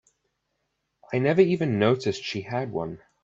I never even noticed she had one.